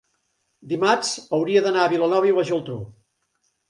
dimarts hauria d'anar a Vilanova i la Geltrú.